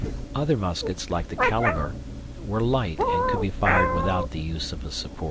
Other muskets, like the caliver, were light, and could be fired without the use of a support.